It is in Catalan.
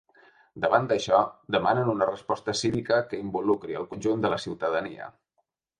Davant d’això, demanen una resposta cívica que involucri el conjunt de la ciutadania.